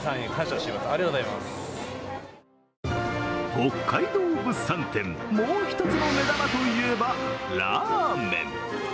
北海道物産展、もう一つの目玉といえば、ラーメン。